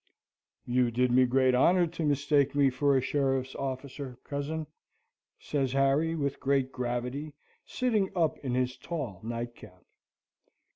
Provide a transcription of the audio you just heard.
"You did me great honour to mistake me for a sheriff's officer, cousin," says Harry, with great gravity, sitting up in his tall nightcap.